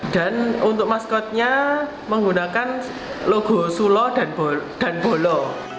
dan untuk maskotnya menggunakan logo sulo dan bolo